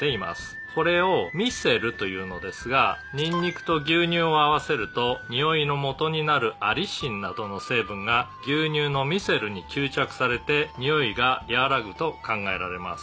「これをミセルというのですがニンニクと牛乳を合わせるとにおいのもとになるアリシンなどの成分が牛乳のミセルに吸着されてにおいが和らぐと考えられます」